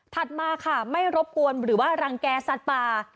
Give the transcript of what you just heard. มาค่ะไม่รบกวนหรือว่ารังแก่สัตว์ป่า